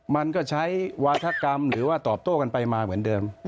มันก็ใช้วาธกรรมหรือว่าตอบโต้กันไปมาเหมือนเดิม